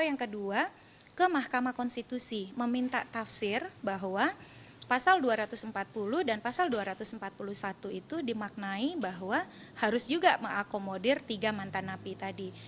yang kedua ke mahkamah konstitusi meminta tafsir bahwa pasal dua ratus empat puluh dan pasal dua ratus empat puluh satu itu dimaknai bahwa harus juga mengakomodir tiga mantan napi tadi